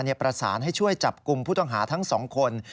ประสานให้ช่วยจับกลุ่มผู้ต้องหาทั้ง๒คน